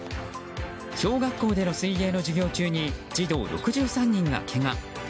小学校での水泳の授業中に児童６３人がけが。